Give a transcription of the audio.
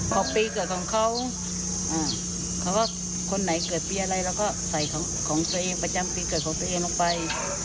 ปีเกิดของเขาอ่าเขาก็คนไหนเกิดปีอะไรเราก็ใส่ของของตัวเองประจำปีเกิดของตัวเองลงไป